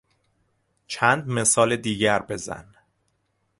چند مثال دیگر بزن.